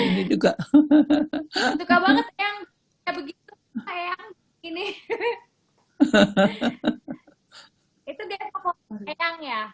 itu dia kok enak ya